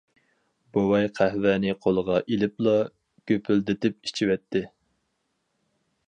بوۋاي قەھۋەنى قولىغا ئېلىپلا گۈپۈلدىتىپ ئىچىۋەتتى.